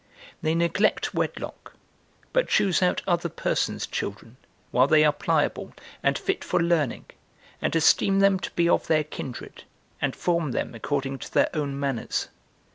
They neglect wedlock, but choose out other persons children, while they are pliable, and fit for learning, and esteem them to be of their kindred, and form them according to their own manners.